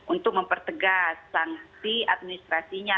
untuk mempertegas sanksi administrasinya